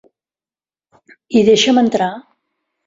I deixa'm entrar.